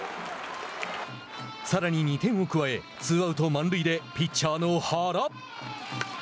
さらに２点を加えツーアウト、満塁でピッチャーの原。